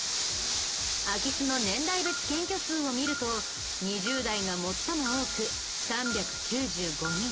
空き巣の年代別検挙数を見ると２０代が最も多く３９５人。